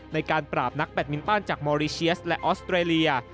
ในการปราบนักแบตมินตันจากมอริเชียสและออสเตรเลีย